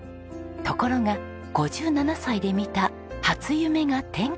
ところが５７歳で見た「初夢」が転機に！